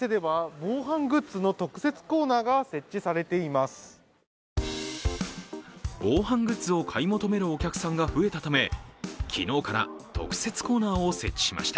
防犯グッズを買い求めるお客さんが増えたため、昨日から特設コーナーを設置しました。